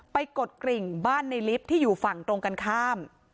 กดกริ่งบ้านในลิฟต์ที่อยู่ฝั่งตรงกันข้าม